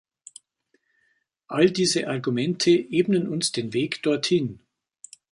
All diese Argumente ebnen uns den Weg dorthin.